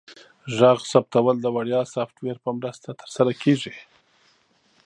غږ ثبتول د وړیا سافټویر په مرسته ترسره کیږي.